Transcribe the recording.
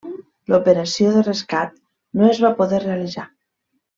L'operació de rescat no es va poder realitzar.